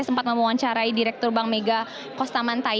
yang menetapkan keuangan syariah yang diberikan oleh bank mega